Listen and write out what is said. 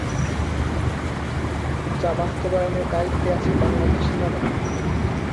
যা বাস্তবায়নের দায়িত্বে আছে বাংলাদেশ সেনাবাহিনী।